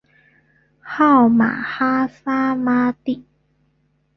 号玛哈萨嘛谛。